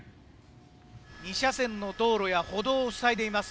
２車線の道路や歩道を塞いでいます。